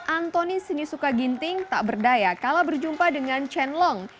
antoni sinisuka ginting tak berdaya kalah berjumpa dengan chen long